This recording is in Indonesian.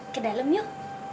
ke dalam yuk